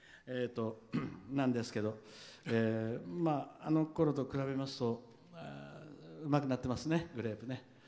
あのころと比べますとうまくなってますね、グレープ。